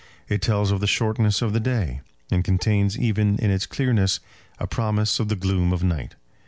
It tells of the shortness of the day, and contains even in its clearness a promise of the gloom of night.